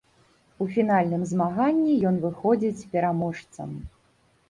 У фінальным змаганні ён выходзіць пераможцам.